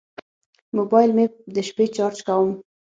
موبایل مې د شپې چارج کوم.